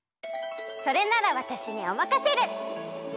それならわたしにおまかシェル！